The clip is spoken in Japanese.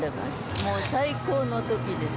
もう最高のときです。